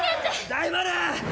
大丸！